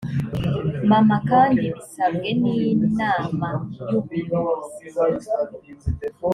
nama kandi bisabwe n inama y ubuyobozi